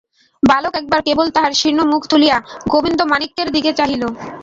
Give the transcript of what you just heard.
বালক একবার কেবল তাহার শীর্ণ মুখ তুলিয়া গোবিন্দমাণিক্যের দিকে চাহিল।